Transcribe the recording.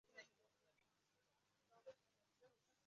Bariga chidadim